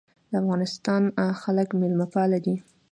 د افغانستان خلک میلمه پال دي